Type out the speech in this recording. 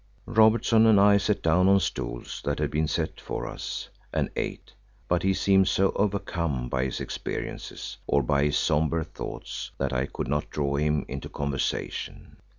Robertson and I sat down on stools that had been set for us, and ate, but he seemed so overcome by his experiences, or by his sombre thoughts, that I could not draw him into conversation.